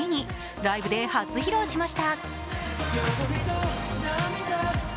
ライブで初披露しました。